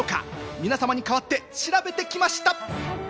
皆さまに代わって調べてきました。